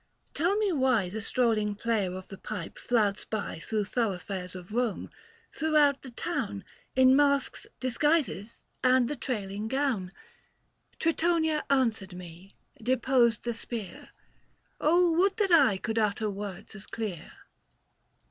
Tell me why The strolling player of the pipe flouts by 790 Through thoroughfares of Borne, throughout the town In masks, disguises, and the trailing gown ? Tritonia answered me, deposed the spear, would that I could utter words as clear